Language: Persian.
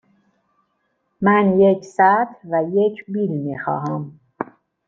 من یک سطل و یک بیل می خواهم.